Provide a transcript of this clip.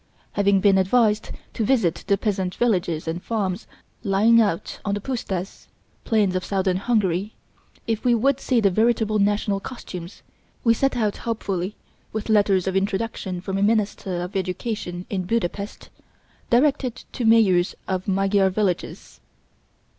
Having been advised to visit the peasant villages and farms lying out on the püstas (plains of southern Hungary) if we would see the veritable national costumes, we set out hopefully with letters of introduction from a minister of education in Buda Pest, directed to mayors of Magyar villages.